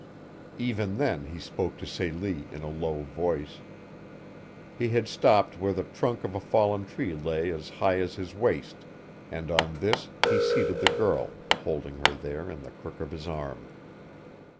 Even then he spoke to Celie in a low voice. He had stopped where the trunk of a fallen tree lay as high as his waist, and on this he seated the girl, holding her there in the crook of his arm.